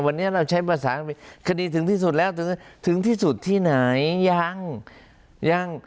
วันนี้เราใช้ประสานคดีถึงที่สุดแล้วถึงที่สุดที่ไหนยังยัง